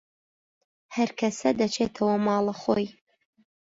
هەرکەسە دەچێتەوە ماڵەخۆی